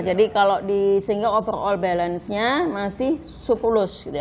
jadi kalau di singa overall balance nya masih surplus